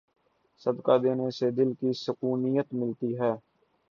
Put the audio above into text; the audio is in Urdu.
صدقہ دینے سے دل کی سکونیت ملتی ہے۔